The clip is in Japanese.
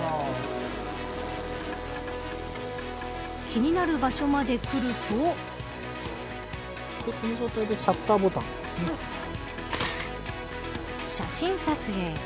気になる場所まで来ると写真撮影。